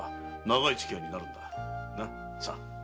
さあ。